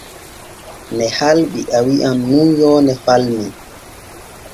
Ne halɓi a wi’an nun yoone falmi.